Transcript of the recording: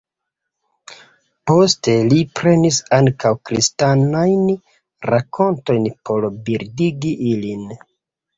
Poste li prenis ankaŭ kristanajn rakontojn por bildigi ilin.